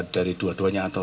dari dua duanya atau